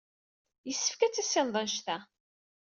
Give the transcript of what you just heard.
Yessefk ad tissineḍ annect-a.